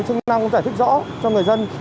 thì chức năng giải thích rõ cho người dân